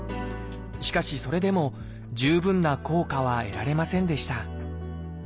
しかしそれでも十分な効果は得られませんでした